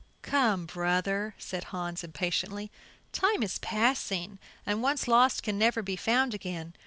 "Come, brother!" said Hans, impatiently, "time is passing, and once lost can never be found again.